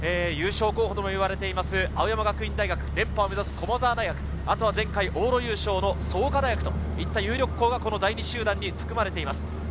優勝候補とも言われています青山学院大学連覇を目指す駒澤大学、後は前回往路優勝の創価大学そういった有力校が第２集団に含まれています。